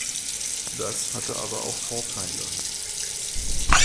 Das hatte aber auch Vorteile.